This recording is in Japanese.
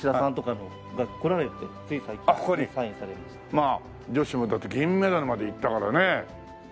まあ女子もだって銀メダルまでいったからね。